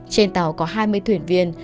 trên tàu có hai mươi thuyền viên